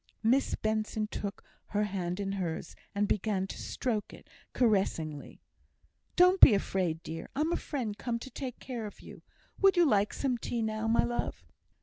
Miss Benson took her hand in hers, and began to stroke it caressingly. "Don't be afraid, dear; I'm a friend come to take care of you. Would you like some tea now, my love?"